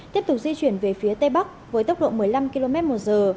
tiếp tục di chuyển về phía tây bắc với tốc độ một mươi năm km một giờ